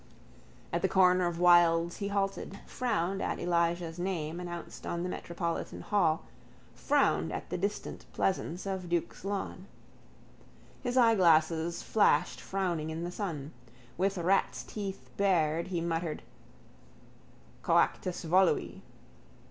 At the corner of Wilde's house he halted, frowned at Elijah's name announced on the Metropolitan hall, frowned at the distant pleasance of duke's lawn. His eyeglass flashed frowning in the sun. With ratsteeth bared he muttered: —_Coactus volui.